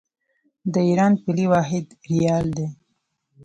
د ایران پولي واحد ریال دی.